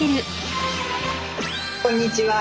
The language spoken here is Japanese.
こんにちは。